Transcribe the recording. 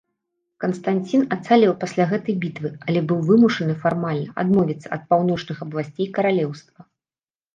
Канстанцін ацалеў пасля гэтай бітвы, але быў вымушаны фармальна адмовіцца ад паўночных абласцей каралеўства.